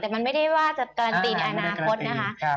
แต่มันไม่ได้ว่าการาตรีในอนาคตนะคะ